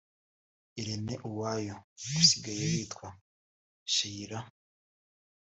Irene Uwoya [usigaye witwa Sheilla]